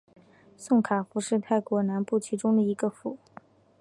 宋卡府是泰国南部其中的一个府。